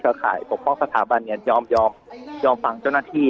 ขาข่ายตกพร่องสถาบันยอมฟังเจ้าหน้าที่